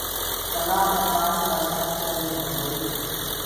تلآه مي پآڻي برسآتي ڪري هوندو هي۔